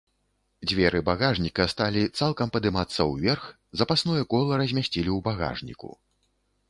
Дзверы багажніка сталі цалкам падымацца ўверх, запасное кола размясцілі ў багажніку.